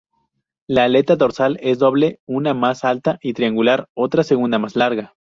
La aleta dorsal es doble: una más alta y triangular, otra segunda más larga.